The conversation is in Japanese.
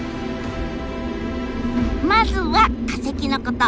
まずは化石のこと。